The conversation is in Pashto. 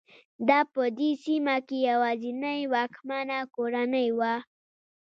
دا په دې سیمه کې یوازینۍ واکمنه کورنۍ وه.